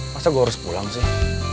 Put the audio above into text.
masa gue harus pulang sih